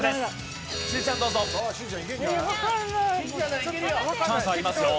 チャンスありますよ。